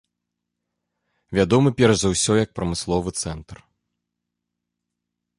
Вядомы перш за ўсё як прамысловы цэнтр.